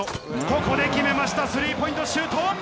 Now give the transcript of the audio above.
ここで決めました、スリーポイントシュート！